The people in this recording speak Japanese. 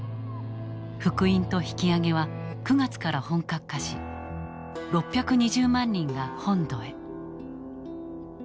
復員と引き揚げは９月から本格化し６２０万人が本土へ。